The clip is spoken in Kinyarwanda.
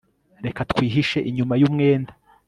reka twihishe inyuma yumwenda